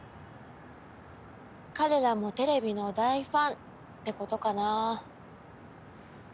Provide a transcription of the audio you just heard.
彼らもテレビの大ファンってことかな。